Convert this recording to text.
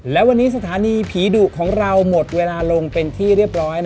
และวันนี้สถานีผีดุของเราหมดเวลาลงเป็นที่เรียบร้อย